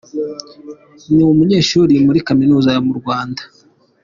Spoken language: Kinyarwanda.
Ni umunyeshuri muri Kaminuza mu Rwanda.